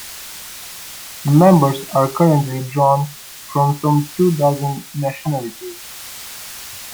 Members are currently drawn from some two dozen nationalities.